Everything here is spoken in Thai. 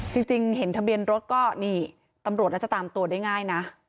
จริงเห็นทะเบียนรถก็นี่ตำรวจน่าจะตามตัวได้ง่ายนะ